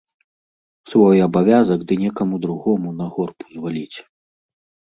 Свой абавязак ды некаму другому на горб узваліць.